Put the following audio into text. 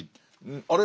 あれ？